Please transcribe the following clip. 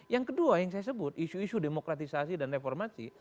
yang kedua yang saya sebut isu isu demokratisasi dan reformasi